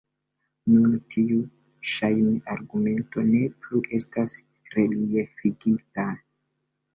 Nun tiu ŝajn-argumento ne plu estas reliefigita.